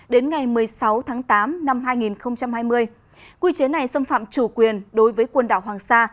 đến ngày một mươi sáu tháng tám năm hai nghìn hai mươi quy chế này xâm phạm chủ quyền đối với quần đảo hoàng sa